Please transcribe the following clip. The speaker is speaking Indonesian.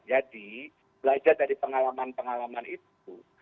belajar dari pengalaman pengalaman itu